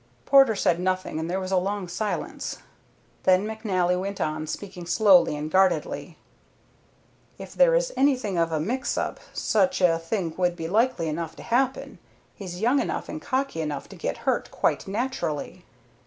Porter said nothing and there was a long silence. Then McNally went on, speaking slowly and guardedly: "If there is anything of a mix up such a thing would be likely enough to happen. He's young enough and cocky enough to get hurt quite naturally."